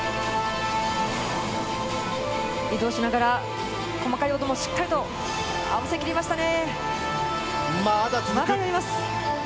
移動しながら細かいところもしっかり合わせ切りましたね。